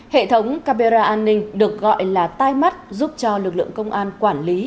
hệ thống camera an ninh được gọi là tai mắt giúp cho lực lượng công an quản lý